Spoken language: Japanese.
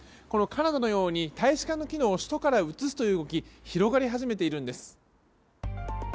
このカナダのように大使館の機能を首都から移すという動き広がり始めているんです。